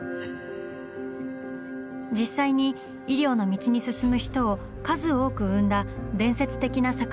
実際に医療の道に進む人を数多く生んだ伝説的な作品です。